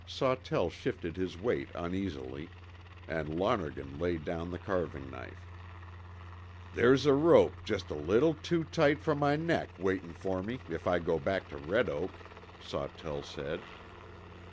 Sawtell shifted his weight uneasily, and Lonergan laid down the carving knife. "There's a rope just a little too tight for my neck waitin' for me if I go back to Red Oak," Sawtell said.